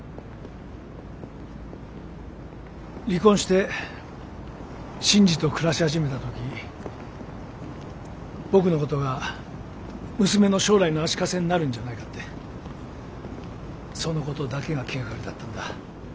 離婚して信爾と暮らし始めた時僕のことが娘の将来の足かせになるんじゃないかってそのことだけが気がかりだったんだ。